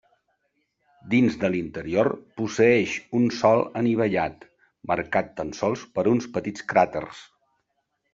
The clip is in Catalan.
Dins de l'interior posseeix un sòl anivellat, marcat tan sols per uns petits cràters.